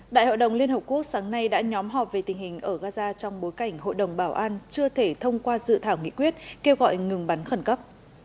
đại hội đồng liên hợp quốc sáng nay đã nhóm họp về tình hình ở gaza trong bối cảnh hội đồng bảo an chưa thể thông qua dự thảo nghị quyết kêu gọi ngừng bắn khẩn cấp